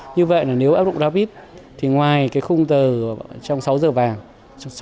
như vậy là nếu áp dụng rapid thì ngoài cái khung tờ trong sáu giờ vàng